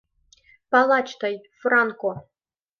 Палач — тый, Франко!